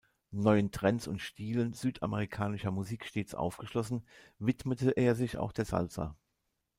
Neuen Trends und Stilen südamerikanischer Musik stets aufgeschlossen widmete er sich auch der Salsa.